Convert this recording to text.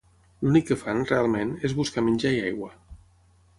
L'únic que fan, realment, és buscar menjar i agua.